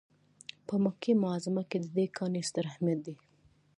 په مکه معظمه کې د دې کاڼي ستر اهمیت دی.